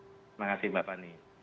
terima kasih bapak